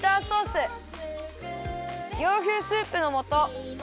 洋風スープのもと。